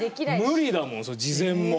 無理だもんそれ事前も。